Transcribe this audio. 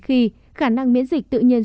khi khả năng miễn dịch tự nhiên